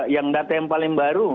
yang data yang paling baru